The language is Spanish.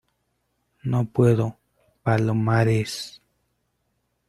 no puedo, Palomares.